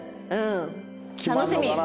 楽しみ！